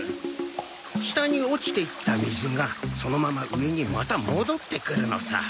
下に落ちていった水がそのまま上にまた戻ってくるのさ。